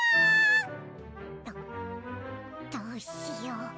どどうしよう。